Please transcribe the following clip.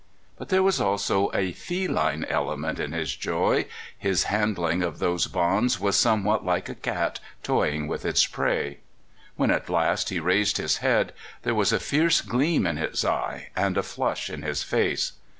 But there was also a feline element in his joy — his handling of those bonds was somewhat like a cat toying with its prey. When at last he raised his head, there was a fierce gleam in his eye and a flush in his face.